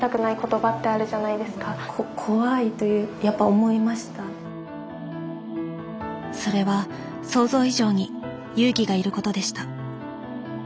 でもそれは想像以上に勇気がいることでした